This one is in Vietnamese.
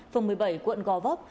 phường một mươi bảy quận gò vấp